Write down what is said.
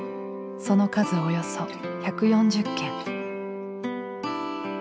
その数およそ１４０軒。